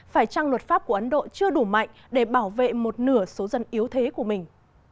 phải chăng luật pháp của ấn độ chưa đủ mạnh để bảo vệ một nửa số dân yếu thế của mình